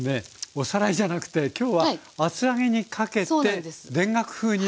おさらいじゃなくて今日は厚揚げにかけて田楽風にねするということですよね。